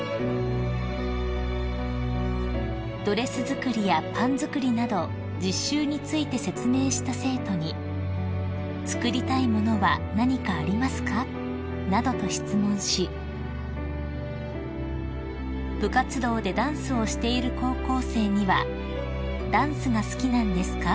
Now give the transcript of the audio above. ［ドレス作りやパン作りなど実習について説明した生徒に「作りたい物は何かありますか？」などと質問し部活動でダンスをしている高校生には「ダンスが好きなんですか？